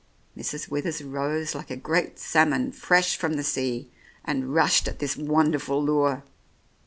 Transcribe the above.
Mrs. Withers rose like a great salmon fresh from the sea, and rushed at this wonderful lure.